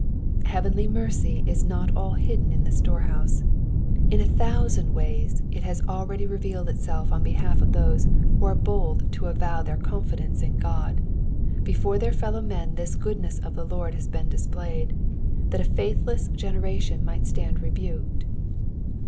Heavenly mere; is not all bidden in the storehouse ; in a thousand ways it has already revealed itself on behalf of those who are bold to avow their confidence in God ; befortt their fellow men tJiis goodness of the Lord has been displayed, that a faithlew ,,„ „.^,.,oglc 70 ESt>0SITI0ir3 OF THB FSALHS. generation might atand rebuked.